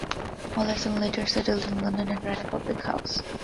Mollison later settled in London and ran a public house.